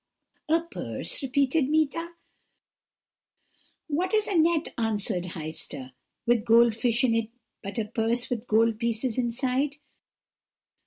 "'A purse?' repeated Meeta. "'What is a net,' answered Heister, 'with gold fish in it but a purse with gold pieces inside?'